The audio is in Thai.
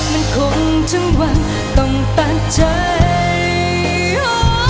มันขนถึงวันต้องตัดใจ